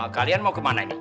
kalian mau ke mana ini